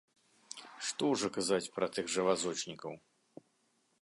Што ўжо казаць пра тых жа вазочнікаў?